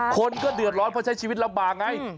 คนก็เดือดร้อนเพราะใช้ชีวิตลำบากไง